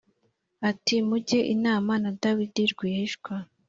ati “Mujye inama na Dawidi rwihishwa”